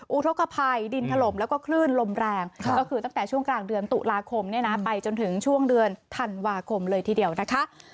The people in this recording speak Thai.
อุทธกภัยดินถล่มแล้วก็คลื่นลมแรงก็คือตั้งแต่ช่วงกลางเดือนตุลาคมไปจนถึงช่วงเดือนธันวาคมเลยทีเดียวนะคะ